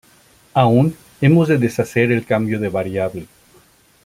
Aún hemos de deshacer el cambio de variable.